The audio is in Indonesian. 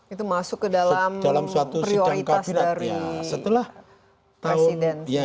itu masuk ke dalam prioritas dari presiden